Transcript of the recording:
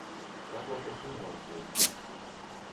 Карла пасінеў ад злосці.